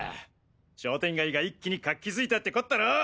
商店街が一気に活気づいたってこったろ。